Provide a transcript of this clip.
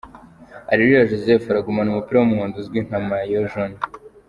Areruya Joseph aragumana umupira w’umuhondo uzwi nka ’Maillot Jaune.